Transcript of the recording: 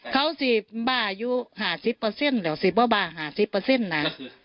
เขาสิบบ่าอยู่หาสิบเปอร์เซ็นต์เดี๋ยวสิบบ่าหาสิบเปอร์เซ็นต์นะ